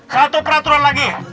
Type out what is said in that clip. satu peraturan lagi